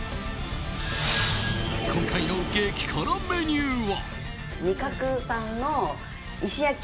今回の激辛メニューは。